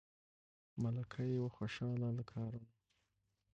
ملکه یې وه خوشاله له کارونو